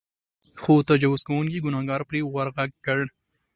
خو تجاوز کوونکي ګنهکار پرې ورغږ کړ.